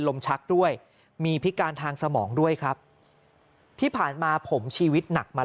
ชักด้วยมีพิการทางสมองด้วยครับที่ผ่านมาผมชีวิตหนักมา